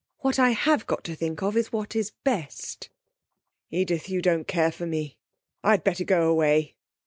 What I have got to think of is what is best.' 'Edith, you don't care for me. I'd better go away.'